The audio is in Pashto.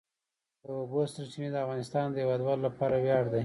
د اوبو سرچینې د افغانستان د هیوادوالو لپاره ویاړ دی.